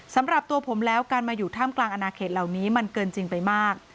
สำหรับตัวผมแล้วการมาอยู่ท่ามกลางอนาเขตเหล่านี้มันเกินจริงไปมาก